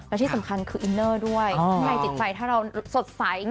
และที่สำคัญคืออินเนอร์ด้วยข้างในจิตใจถ้าเราสดใส